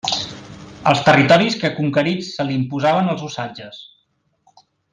Als territoris que conquerits se li imposaven els usatges.